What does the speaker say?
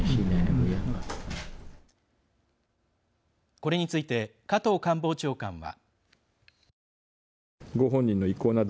これについて加藤官房長官は。